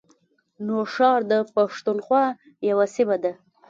نوښار د پښتونخوا یوه سیمه ده